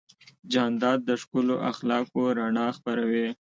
جانداد د ښکلو اخلاقو رڼا خپروي.